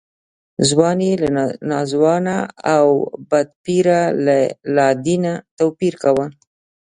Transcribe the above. ځوان یې له ناځوانه او بدپیره له لادینه توپیر کاوه.